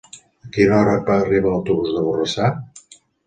A quina hora arriba l'autobús de Borrassà?